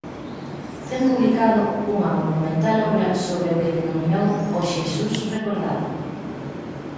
Ten publicado unha monumental obra sobre o que denominou o "Xesús recordado".